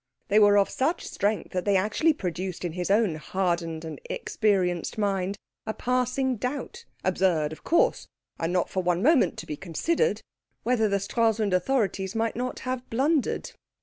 They were of such strength that they actually produced in his own hardened and experienced mind a passing doubt, absurd of course, and not for one moment to be considered, whether the Stralsund authorities might not have blundered.